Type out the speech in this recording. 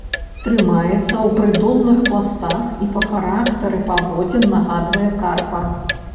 Трымаецца ў прыдонных пластах і па характары паводзін нагадвае карпа.